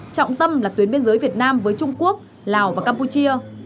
trọng tâm là tuyến biên giới việt nam với trung quốc lào và campuchia